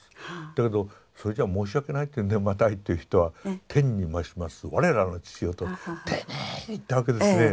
だけどそれじゃ申し訳ないっていうんでマタイっていう人は「天にましますわれらの父よ」と丁寧に言ったわけですね。